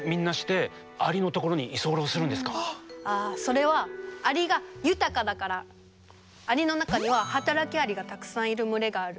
それはアリの中には働きアリがたくさんいる群れがある。